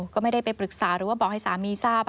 ก็ไม่ได้ไปปรึกษาหรือว่าบอกให้สามีทราบ